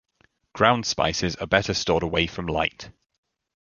Ground spices are better stored away from light.